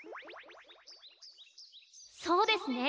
そうですね。